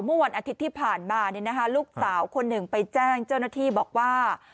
เมื่อวันอาทิตย์ที่ผ่านมาลูกสาวคนหนึ่งไปแจ้งเจ้าหน้าที่บอกว่า